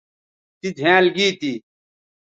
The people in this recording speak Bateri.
تی زھینئل گی تھی